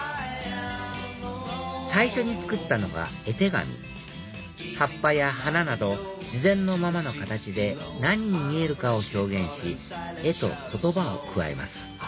最初に作ったのは絵手紙葉っぱや花など自然のままの形で何に見えるかを表現し絵と言葉を加えます